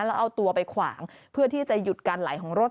แล้วเอาตัวไปขวางเพื่อที่จะหยุดการไหลของรถ